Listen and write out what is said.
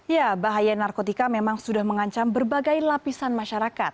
ya bahaya narkotika memang sudah mengancam berbagai lapisan masyarakat